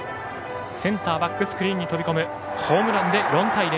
センターバックスクリーンに飛び込むホームランで４対０。